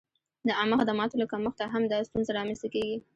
د عامه خدماتو له کمښته هم دا ستونزه را منځته کېږي.